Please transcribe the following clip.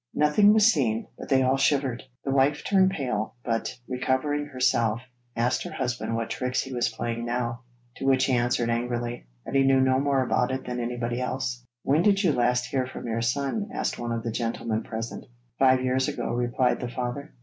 Nothing was seen, but they all shivered. The wife turned pale, but, recovering herself, asked her husband what tricks he was playing now, to which he answered angrily that he knew no more about it than anybody else. 'When did you last hear from your son?' asked one of the gentlemen present. 'Five years ago,' replied the father.